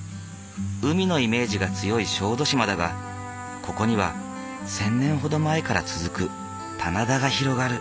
海のイメージが強い小豆島だがここには１，０００年ほど前から続く棚田が広がる。